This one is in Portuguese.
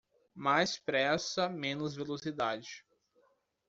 Mais pressa menos velocidade